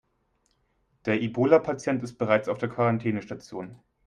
Der Ebola-Patient ist bereits auf der Quarantänestation.